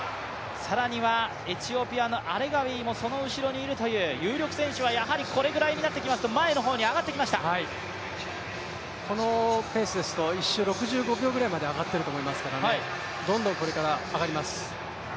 更にはエチオピアのアレガウィもその後ろにいるという、有力選手はやはりこれぐらいになってきますとこのペースですと１周６５秒ペースぐらいまで上がっていると思いますからねどんどんこれから上がります。